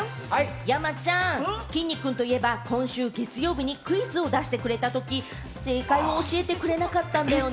山ちゃん、きんに君といえば、今週月曜日にクイズを出してくれたとき、正解を教えてくれなかったんだよね。